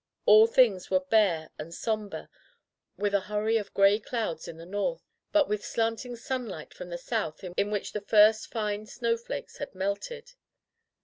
All things were bare and sombre, with a hurry of gray clouds in the north, but with slanting sunlight from the south in which the first fine snowflakes had melted.